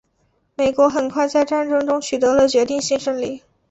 美国很快在战争中取得了决定性胜利。